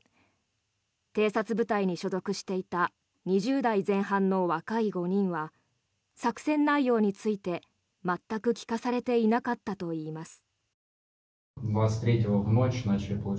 偵察部隊に所属していた２０代前半の若い５人は作戦内容について全く聞かされていなかったといいます。